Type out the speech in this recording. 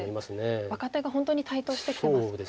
若手が本当に台頭してきてますもんね。